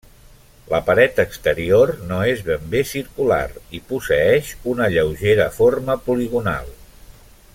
La paret exterior no és ben bé circular, i posseeix una lleugera forma poligonal.